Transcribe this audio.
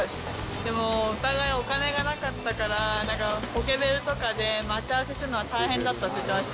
でもお互いお金がなかったから、ポケベルとかで待ち合わせするのが大変だってって言ってました。